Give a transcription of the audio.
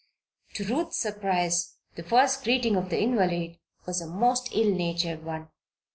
To Ruth's surprise the first greeting of the invalid was a most ill natured one.